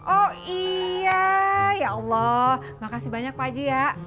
oh iya ya allah makasih banyak pak haji ya